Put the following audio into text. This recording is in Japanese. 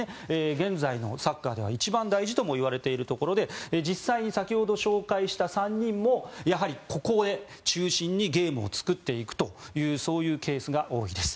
現在のサッカーでは一番大事ともいわれているところで実際に先ほど紹介した３人もやはりここで、中心にゲームを作っていくというケースが多いです。